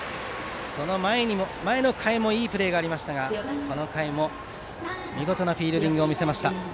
前の回もいいプレーがありましたがこの回も見事なフィールディングを見せました。